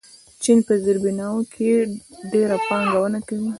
چین په زیربناوو کې ډېره پانګونه کوي.